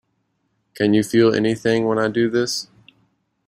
Can You Feel Anything When I Do This?